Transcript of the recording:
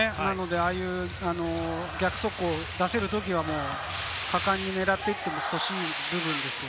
ああいう逆速攻が狙える時は果敢に狙っていってほしい部分です。